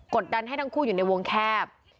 ดดันให้ทั้งคู่อยู่ในวงแคบ